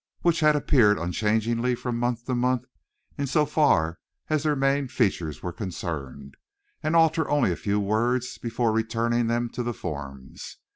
which had appeared unchangingly from month to month in so far as their main features were concerned, and alter only a few words before returning them to the forms.